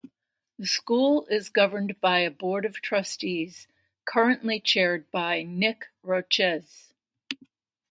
The school is governed by a board of trustees currently chaired by Nik Rochez.